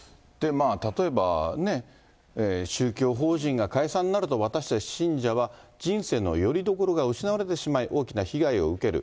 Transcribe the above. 例えばね、宗教法人が解散になると、私たち信者は人生のよりどころが失われてしまい、大きな被害を受ける。